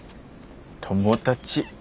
友達。